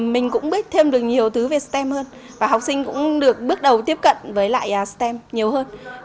mình cũng biết thêm được nhiều thứ về stem hơn và học sinh cũng được bước đầu tiếp cận với lại stem nhiều hơn